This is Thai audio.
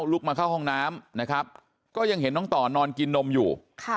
ลุกมาเข้าห้องน้ำนะครับก็ยังเห็นน้องต่อนอนกินนมอยู่